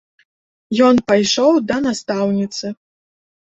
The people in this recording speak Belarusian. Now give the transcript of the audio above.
Ён пайшоў да настаўніцы.